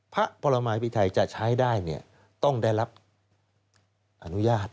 พระพรมาพิไทยจะใช้ได้ต้องได้รับอนุญาต